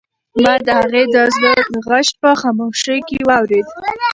ما د هغې د زړه غږ په خاموشۍ کې واورېد.